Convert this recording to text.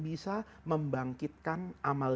bisa membangkitkan amal